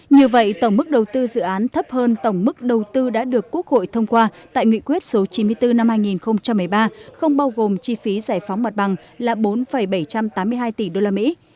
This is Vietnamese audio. như vậy tổng mức đầu tư dự án thấp hơn tổng mức đầu tư đã được quốc hội thông qua tại nghị quyết số chín mươi bốn năm hai nghìn một mươi ba không bao gồm chi phí giải phóng mặt bằng là bốn bảy trăm tám mươi hai tỷ đô la mỹ